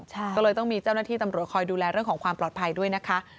ก็เลยต้องมีเจ้าหน้าที่ตำรวจคอยดูแลเรื่องของความปลอดภัยด้วยนะคะ